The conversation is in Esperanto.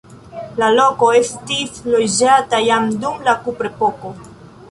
La loko estis loĝata jam dum la kuprepoko.